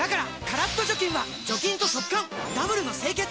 カラッと除菌は除菌と速乾ダブルの清潔！